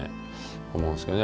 思うんですけどね。